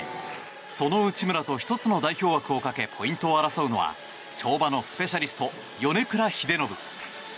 その内村と１つの代表枠をかけポイントを争うのは跳馬のスペシャリスト米倉英信。